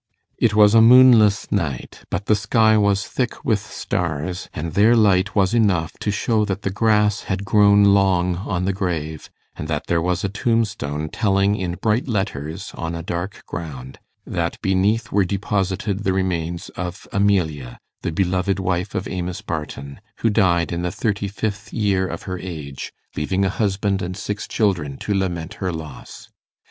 It was a moonless night, but the sky was thick with stars, and their light was enough to show that the grass had grown long on the grave, and that there was a tombstone telling in bright letters, on a dark ground, that beneath were deposited the remains of Amelia, the beloved wife of Amos Barton, who died in the thirty fifth year of her age, leaving a husband and six children to lament her loss.